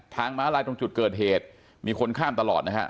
ม้าลายตรงจุดเกิดเหตุมีคนข้ามตลอดนะฮะ